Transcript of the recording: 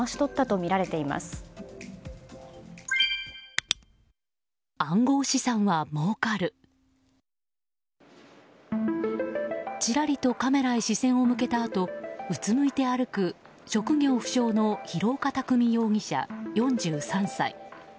ちらりとカメラへ視線を向けたあとうつむいて歩く職業不詳の廣岡工容疑者、４３歳。